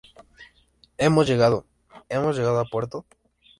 ¿ hemos llegado? ¿ hemos llegado a puerto?